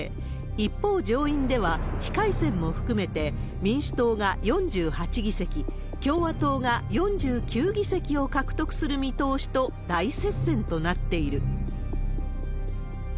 一方、上院では非改選も含めて、民主党が４８議席、共和党が４９議席を獲得する見通しと、大接戦となっている。